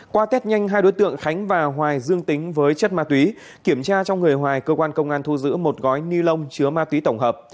qua tết nhanh hai đối tượng khánh và hoài dương tính với chất ma túy kiểm tra trong người hoài cơ quan công an thu giữ một gói ni lông chứa ma túy tổng hợp